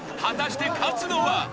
果たして勝つのは？］